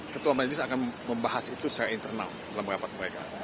ketua majelis akan membahas itu secara internal dalam rapat mereka